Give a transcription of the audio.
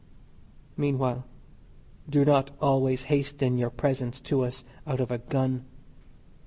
Meanwhile do not always hasten your presents to us out of a gun.